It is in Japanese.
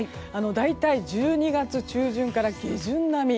大体１２月中旬から下旬並み。